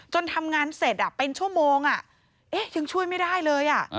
ทำงานเสร็จเป็นชั่วโมงยังช่วยไม่ได้เลย